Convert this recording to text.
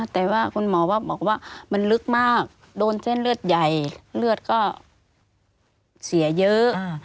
แต่ว่าคุณหมอบอกว่ามันลึกมากโดนเส้นเลือดใหญ่เลือดก็เสียเยอะ